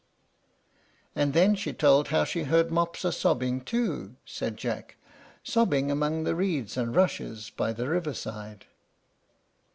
"And then she told how she heard Mopsa sobbing too," said Jack; "sobbing among the reeds and rushes by the river side."